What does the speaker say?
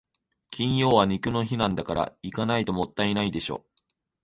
金曜は肉の日なんだから、行かないともったいないでしょ。